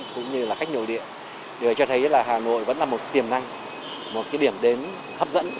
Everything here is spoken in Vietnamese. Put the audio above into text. cũng như là khách nhồi địa để cho thấy hà nội vẫn là một tiềm năng một điểm đến hấp dẫn